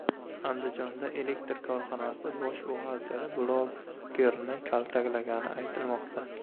Andijonda elektr korxonasi bosh buxgalteri blogerni kaltaklagani aytilmoqda